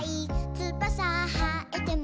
「つばさはえても」